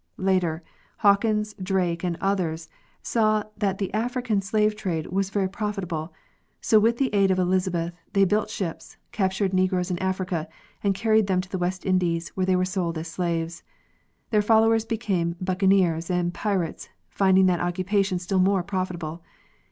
Later, Hawkins, Drake and others saw that the African slave trade was very profitable; so with the aid of Elizabeth they built ships, captured negroes in Africa, and carried them to the West Indies, where they were sold as slaves. Their fol lowers became buccaneers and pirates, finding that occupation still more profitable.